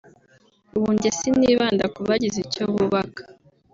ubu njye sinibanda kubagize icyo bubaka